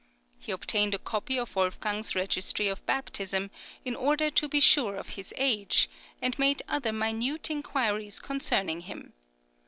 [20037] He obtained a copy of Wolfgang's registry of baptism, in order to be sure of his age, and made other minute inquiries concerning him.